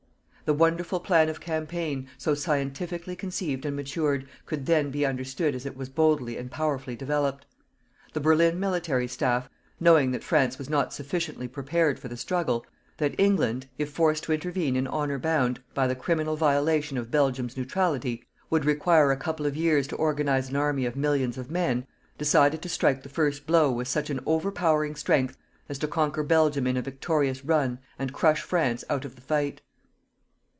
The wonderful plan of campaign, so scientifically conceived and matured, could then be understood as it was boldly and powerfully developed. The Berlin military staff, knowing that France was not sufficiently prepared for the struggle, that England, if forced to intervene in honour bound, by the criminal violation of Belgium's neutrality, would require a couple of years to organize an army of millions of men, decided to strike the first blow with such an overpowering strength as to conquer Belgium in a victorious run and crush France out of the fight.